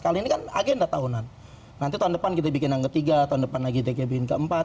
kali ini kan agenda tahunan nanti tahun depan kita bikin yang ketiga tahun depan lagi tgbin keempat